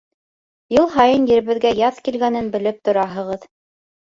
Йыл һайын еребеҙгә Яҙ килгәнен белеп тораһығыҙ.